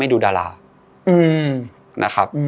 ดูดารานะครับ